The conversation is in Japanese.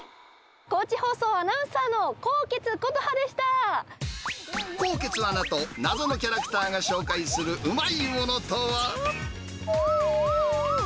高知放送アナウンサーの纐纈纐纈アナと謎のキャラクターが紹介するうまいものとは？